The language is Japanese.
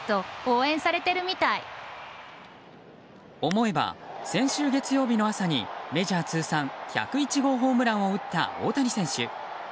思えば先週月曜日の朝にメジャー通算１０１号ホームランを打った大谷選手。